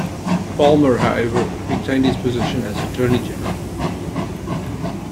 Palmer, however, retained his position as attorney general.